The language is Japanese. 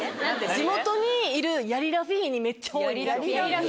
地元にいるやりらふぃーにめっちゃ多いんですよ。